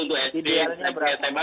untuk sdm sma berapa lama